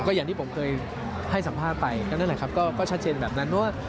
อย่างที่ผมเคยให้สัมภาษณ์ไปก็นั่นแหละครับก็ชัดเจนแบบนั้นว่า